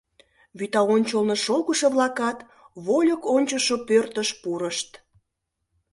Вӱта ончылно шогышо-влакат вольык ончышо пӧртыш пурышт.